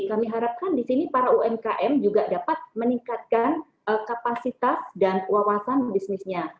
kami harapkan di sini para umkm juga dapat meningkatkan kapasitas dan wawasan bisnisnya